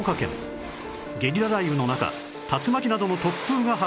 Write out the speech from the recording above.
ゲリラ雷雨の中竜巻などの突風が発生